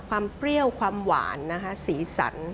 ความเปรี้ยวความหวานสีสัน